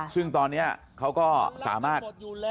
ซึ่งตอนนี้เขาก็สามารถ